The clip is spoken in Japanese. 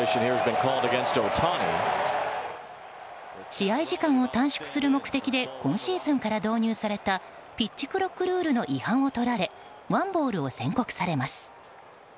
試合時間を短縮する目的で今シーズンから導入されたピッチクロックルールの違反をとられワンボールを宣告されます。